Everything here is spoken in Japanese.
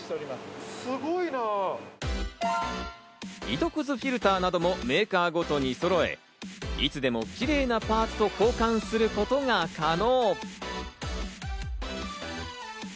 糸くずフィルターなどもメーカーごとにそろえ、いつでもキレイなパーツと交換することが可能。